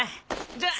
じゃあ。